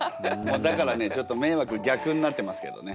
だからねちょっと迷惑逆になってますけどね。